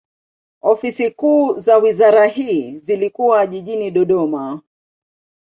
Ofisi kuu za wizara hii zilikuwa jijini Dodoma.